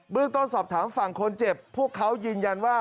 เรื่องต้นสอบถามฝั่งคนเจ็บพวกเขายืนยันว่า